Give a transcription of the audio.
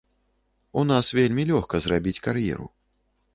У нас вельмі лёгка зрабіць кар'еру.